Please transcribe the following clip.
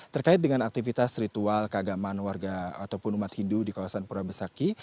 terkait dengan aktivitas ritual keagamaan warga ataupun umat hindu di kawasan pura besaki